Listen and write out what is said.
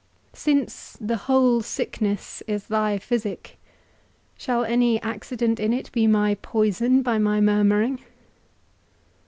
Since the whole sickness is thy physic, shall any accident in it be my poison by my murmuring?